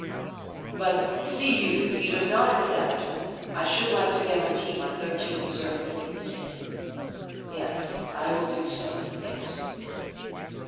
"But, see you, if he does not accept, I should like to guarantee my thirteen reserved millions to him—yes, I will do so—yes.